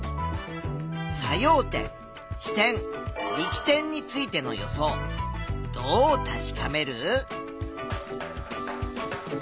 作用点支点力点についての予想どう確かめる？